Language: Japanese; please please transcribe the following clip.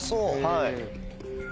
はい。